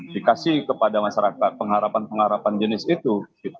dikasih kepada masyarakat pengharapan pengharapan jenis itu